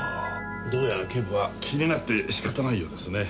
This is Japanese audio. どうやら警部は気になって仕方ないようですね。